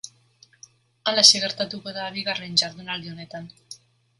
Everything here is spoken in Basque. Halaxe gertatuko da bigarren jardunaldi honetan.